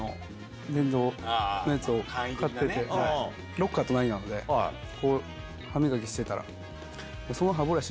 ロッカー隣なのでこう歯磨きしてたら。